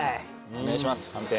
お願いします判定。